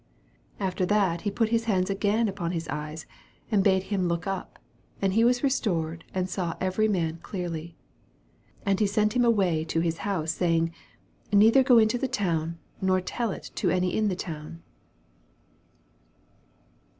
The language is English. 25 After that he pnt 7ti* hands again upon his eyes, and bade him look up : and he was restored, and saw every man clearly. 26 And he sent him away to hia house, saying, Neither go into the town, nor tell it to any in the town.